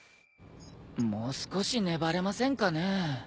もう少し粘れませんかね？